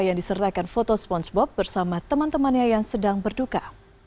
yang disertakan foto spongebob bersama teman temannya yang sedang berduka